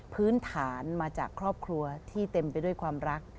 พื้นฐานมาจากครอบครัวที่เต็มไปด้วยความรัก